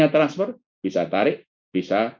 transfer bisa tarik bisa